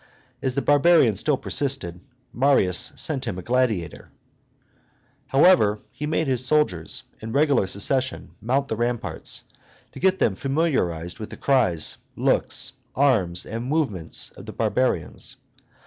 As the barbarian still persisted, Marius sent him a gladiator. However, he made his soldiers, in regular succession, mount the ramparts, to get them familiarized with the cries, looks, arms, and movements of the barbarians.